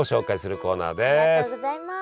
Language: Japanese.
ありがとうございます。